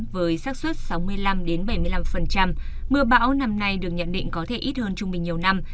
với sắc xuất sáu mươi năm bảy mươi năm mưa bão năm nay được nhận định có thể ít hơn trung bình nhiều năm